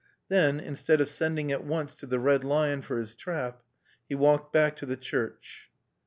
Then, instead of sending at once to the Red Lion for his trap, he walked back to the church.